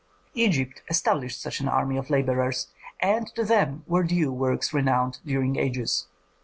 Egypt established such an army of laborers, and to them were due works renowned during ages.